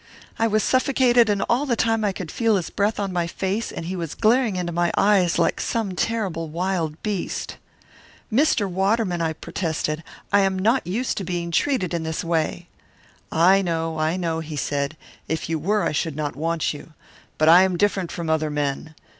I was suffocated, and all the time I could feel his breath on my face, and he was glaring into my eyes like some terrible wild beast. "'Mr. Waterman,' I protested, 'I am not used to being treated in this way.' "'I know, I know,' he said. 'If you were, I should not want you. But I am different from other men.